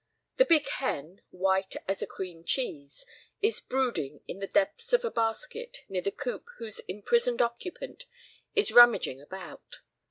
The big hen, white as a cream cheese, is brooding in the depths of a basket near the coop whose imprisoned occupant is rummaging about.